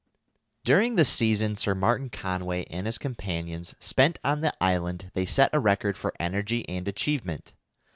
During the season Sir Martin Conway and his companions spent on the island they set a record for energy and achievement.